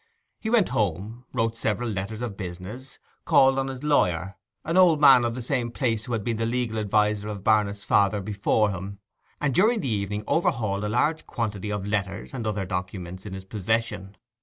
He went home, wrote several letters of business, called on his lawyer, an old man of the same place who had been the legal adviser of Barnet's father before him, and during the evening overhauled a large quantity of letters and other documents in his possession.